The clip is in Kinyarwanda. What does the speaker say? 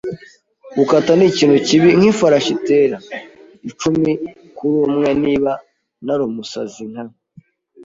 gukata, ni ikintu kibi nkifarashi itera. Icumi kuri umwe, niba narumusazi nk